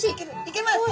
いけます。